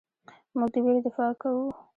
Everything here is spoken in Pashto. موږ د ویرې دفاع کوو.